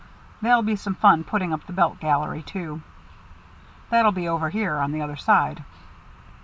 There'll be some fun putting up the belt gallery, too. That'll be over here on the other side."